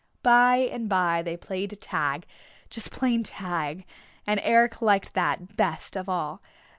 By and by they played tag, just plain tag, and Eric liked that best of all.